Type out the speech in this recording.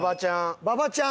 馬場ちゃん。